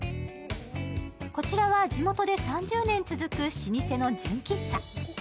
こちらは地元で３０年続く老舗の純喫茶。